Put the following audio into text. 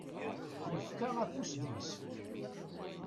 Yefka afus deg-s.